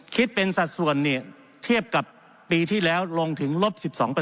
คิดเป็นสัดส่วนเนี่ยเทียบกับปีที่แล้วลงถึงลบ๑๒